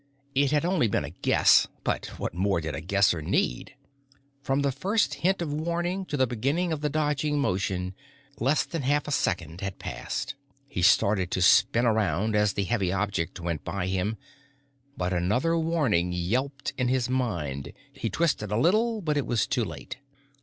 It had only been a guess but what more did a Guesser need? From the first hint of warning to the beginning of the dodging motion, less than half a second had passed. He started to spin around as the heavy object went by him, but another warning yelped in his mind. He twisted a little, but it was too late.